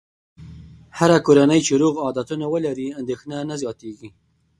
هره کورنۍ چې روغ عادتونه ولري، اندېښنه نه زیاتېږي.